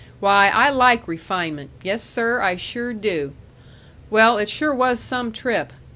Why, I like refinement! Yes, sir, I sure do!... Well, it sure was some trip.